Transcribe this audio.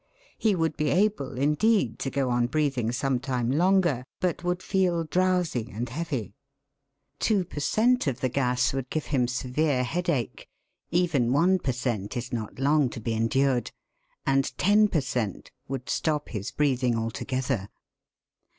He would be able, indeed, to go on breathing some time longer, but would feel drowsy and heavy ; two per cent, of the gas would give him severe headache (even one per cent, is not long to be endured), and ten per cent, would stop his breathing altogether.